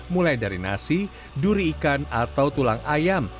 mulai dari nasi duri ikan atau tulang ayam